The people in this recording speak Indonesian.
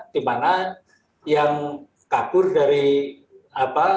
dimana yang kabur dari apa